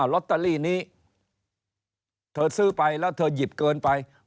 ลอตเตอรี่นี้เธอซื้อไปแล้วเธอหยิบเกินไป